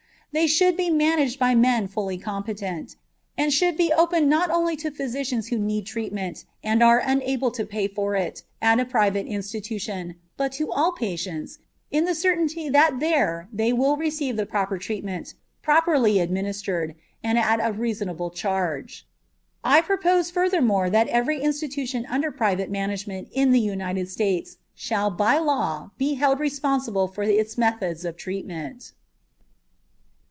They should be managed by men fully competent, and should be open not only to physicians who need treatment and are unable to pay for it at a private institution, but to all patients, in the certainty that there they will receive the proper treatment, properly administered, and at a reasonable charge. I purpose furthermore that every institution under private management in the United States shall by law be held responsible for its methods of treatment.